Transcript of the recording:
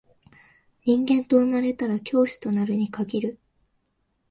人間と生まれたら教師となるに限る